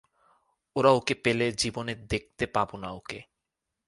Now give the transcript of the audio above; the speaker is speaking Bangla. ওরা ওকে পেলে, জীবনে দেখতে পাবো না ওকে।